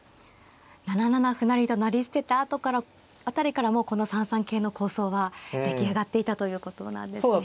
７七歩成と成り捨てた辺りからもうこの３三桂の構想は出来上がっていたということなんですね。